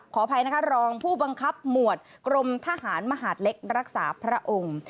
ขออภัยนะคะรองผู้บังคับหมวดกรมทหารมหาดเล็กรักษาพระองค์